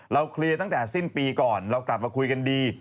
เคลียร์ตั้งแต่สิ้นปีก่อนเรากลับมาคุยกันดี